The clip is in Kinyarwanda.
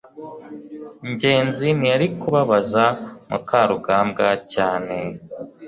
ngenzi ntiyari kubabaza mukarugambwa cyane